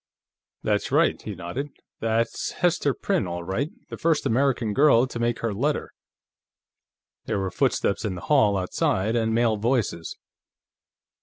"That's right," he nodded. "That's Hester Prynne, all right; the first American girl to make her letter." There were footsteps in the hall outside, and male voices.